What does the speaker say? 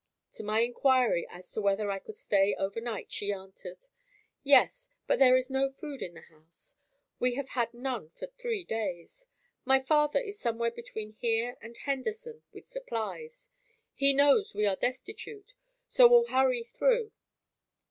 To my inquiry as to whether I could stay over night, she answered, "Yes, but there is no food in the house. We have had none for three days. My father is somewhere between here and Henderson with supplies. He knows we are destitute, so will hurry through."